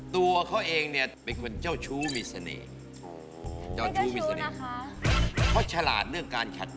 แจกว่าดันเค้ามีพรสวรรค์มากเรื่องคนนี้